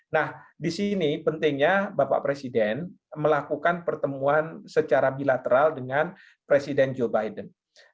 nah di sini pentingnya bapak presiden melakukan pertemuan secara bilateral dengan presiden joe biden